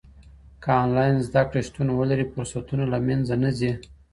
که انلاین زده کړه شتون ولري، فرصتونه له منځه نه ځي.